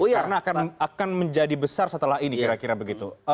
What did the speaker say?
karena akan menjadi besar setelah ini kira kira begitu